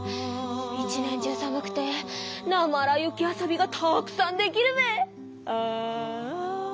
一年中さむくてなまら雪遊びがたくさんできるべ！